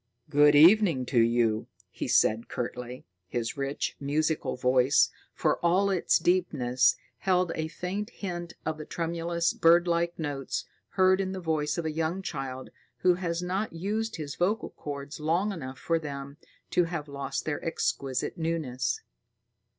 "Good evening to you," he said curtly. His rich, musical voice, for all its deepness, held a faint hint of the tremulous, birdlike notes heard in the voice of a young child who has not used his vocal chords long enough for them to have lost their exquisite newness.